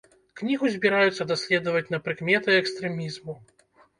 Кнігу збіраюцца даследаваць на прыкметы экстрэмізму.